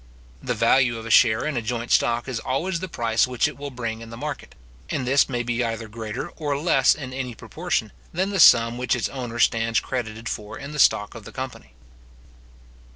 The value of a share in a joint stock is always the price which it will bring in the market; and this may be either greater or less in any proportion, than the sum which its owner stands credited for in the stock of the company.